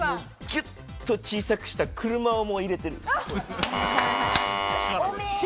ギュッと小さくした車を入れてる。